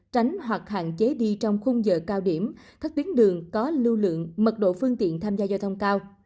tránh hoặc hạn chế đi trong khung giờ cao điểm các tuyến đường có lưu lượng mật độ phương tiện tham gia giao thông cao